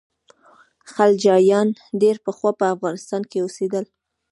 خلجیان ډېر پخوا په افغانستان کې اوسېدل.